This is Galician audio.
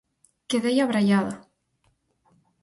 Quedei abraiada!